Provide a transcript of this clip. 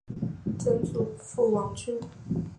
曾祖父王俊。